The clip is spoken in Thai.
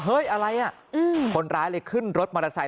อะไรอ่ะคนร้ายเลยขึ้นรถมอเตอร์ไซค